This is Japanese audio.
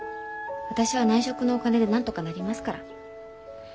私は内職のお金でなんとかなりますから。